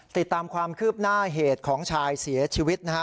ติดตามความคืบหน้าเหตุของชายเสียชีวิตนะฮะ